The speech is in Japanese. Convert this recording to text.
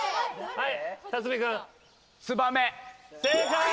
はい！